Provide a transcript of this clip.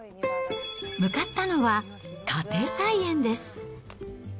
向かったのは、家庭菜園です。